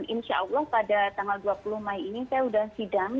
insya allah pada tanggal dua puluh mei ini saya sudah sidang